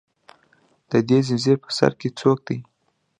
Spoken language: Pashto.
د دې زنځیر په سر کې څوک دي